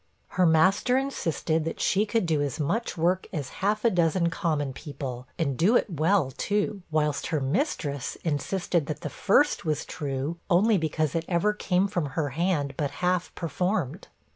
Her master insisted that she could do as much work as half a dozen common people, and do it well, too; whilst her mistress insisted that the first was true, only because it ever came from her hand but half performed.